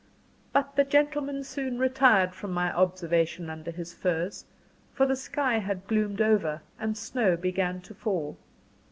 But the gentleman soon retired from my observation under his furs; for the sky had gloomed over, and snow began to fall.